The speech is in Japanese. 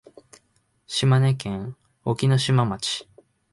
島根県隠岐の島町